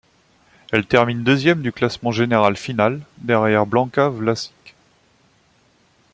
Elle termine deuxième du classement général final, derrière Blanka Vlasic.